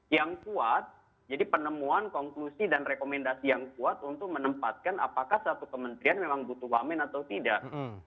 yang kuat jadi penemuan konklusi dan rekomendasi yang kuat untuk menempatkan apakah satu kementerian memang butuh wamen atau tidak